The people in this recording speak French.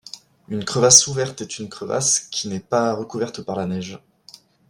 Une crevasse ouverte est une crevasse qui n'est pas recouverte par la neige.